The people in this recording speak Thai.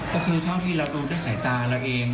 ก็คือช่องที่เราดูด้วยสายตาเราเอง